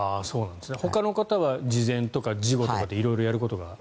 ほかの方は事前とか事後とかで色々やることがあると。